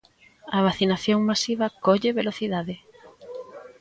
A vacinación masiva colle velocidade.